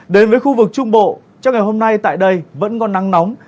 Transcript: đến với khu vực trung bộ trong ngày hôm nay tại đây vẫn có nắng nóng